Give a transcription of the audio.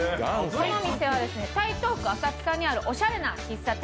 このお店は台東区浅草であるオシャレな喫茶店。